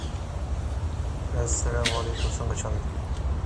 Nasinda kunda kukughoria agha diisire.